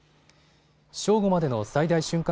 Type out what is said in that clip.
正午までの最大瞬間